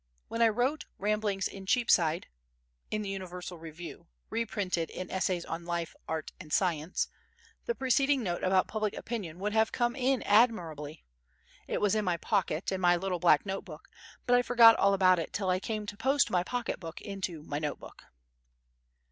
When I wrote "Ramblings in Cheapside" [in the Universal Review, reprinted in Essays on Life, Art and Science] the preceding note about Public Opinion would have come in admirably; it was in my pocket, in my little black note book, but I forgot all about it till I came to post my pocket book into my note book.